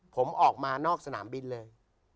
ผมออกมานอกสนามบินเลย